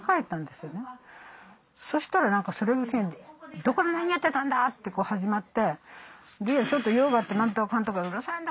そしたら何かそれの件で「どこで何やってたんだ！」って始まって「ちょっと用があってなんとかかんとか」。「うるさいんだ。